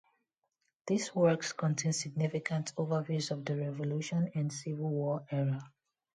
These works contain significant overviews of the Revolution and Civil War era.